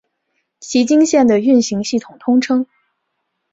崎京线的运行系统通称。